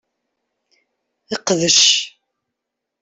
Qdec.